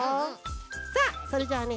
さあそれじゃあね